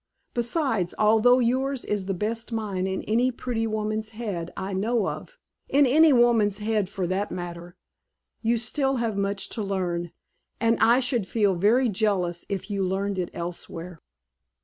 Besides, although yours is the best mind in any pretty woman's head I know of in any woman's head for that matter you still have much to learn, and I should feel very jealous if you learned it elsewhere."